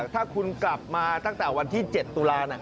ถ้าคุณกลับมาตั้งแต่วันที่๗ตุลา